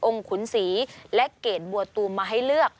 ขุนศรีและเกรดบัวตูมมาให้เลือก